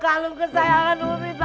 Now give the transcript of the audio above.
kalung kesayangan umi bah rusak